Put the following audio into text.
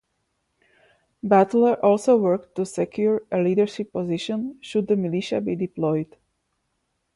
Butler also worked to secure a leadership position should the militia be deployed.